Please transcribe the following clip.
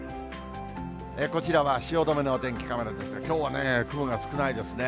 こちらは汐留のお天気カメラですが、きょうは雲が少ないですね。